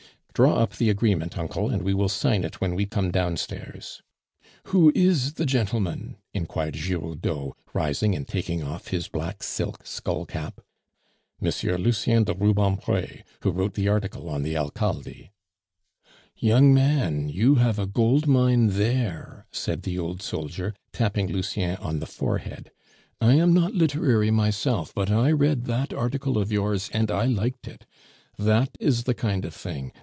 "Draw up the agreement, uncle, and we will sign it when we come downstairs." "Who is the gentleman?" inquired Giroudeau, rising and taking off his black silk skull cap. "M. Lucien de Rubempre, who wrote the article on The Alcalde." "Young man, you have a gold mine there," said the old soldier, tapping Lucien on the forehead. "I am not literary myself, but I read that article of yours, and I liked it. That is the kind of thing!